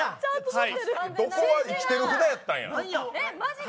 生きてる札やったんや。